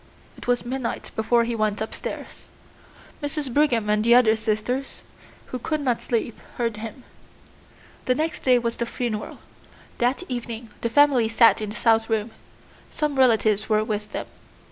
It was midnight before he went upstairs. Mrs. Brigham and the other sisters, who could not sleep, heard him. The next day was the funeral. That evening the family sat in the south room. Some relatives were with them.